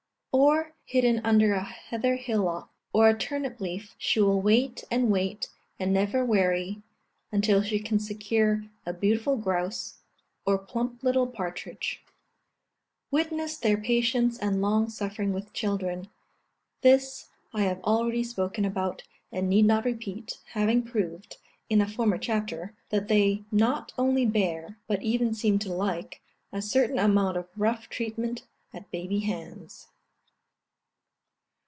Or, hidden under a heather hillock, or a turnip leaf, she will wait and wait, and never weary, until she can secure a beautiful grouse, or plump little partridge. Witness their patience and long suffering with children, this I have already spoken about, and need not repeat, having proved, in a former chapter, that they not only bear, but even seem to like, a certain amount of rough treatment at baby hands.